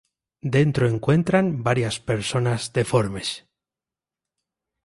Dentro encuentran varias personas deformes.